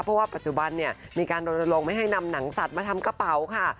เพราะว่าปัจจุบันเนี่ยมีการรณรงค์ไม่ให้นำหนังสัตว์มาทำกระเป๋าค่ะ